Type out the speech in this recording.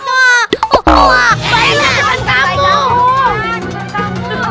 wah baiklah teman kamu